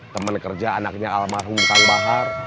teman kerja anaknya almarhum kang bahar